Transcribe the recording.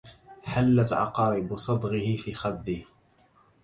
حلت عقارب صدغه في خده